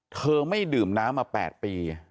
เธอไม่ดื่มน้ำมา๘ปี